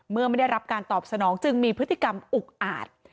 ไม่ได้รับการตอบสนองจึงมีพฤติกรรมอุกอาจ